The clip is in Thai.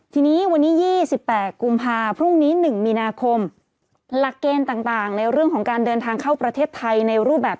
ทีนี้วันนี้๒๘กุมภาพรุ่งนี้๑มีนาคมหลักเกณฑ์ต่างในเรื่องของการเดินทางเข้าประเทศไทยในรูปแบบ